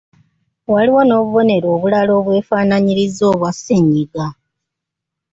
Waliwo n’obubonero obulala obwefaanaanyiriza obwa ssennyiga.